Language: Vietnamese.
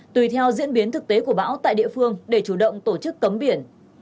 tùy theo diễn biến thực tế của bão tại địa phương để chủ động tổ chức cấm biển